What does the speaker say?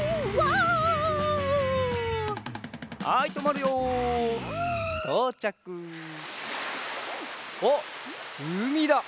あっうみだ！